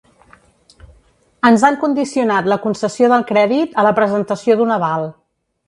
Ens han condicionat la concessió del crèdit a la presentació d'un aval.